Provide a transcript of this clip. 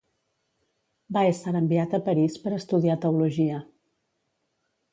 Va ésser enviat a París per estudiar teologia.